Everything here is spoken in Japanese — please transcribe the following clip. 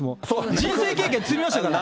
人生経験積みましたから。